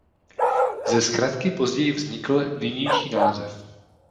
Ze zkratky později vznikl nynější název.